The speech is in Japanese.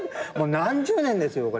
何十年ですよこれ。